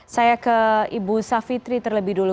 saya ke ibu savitri terlebih dulu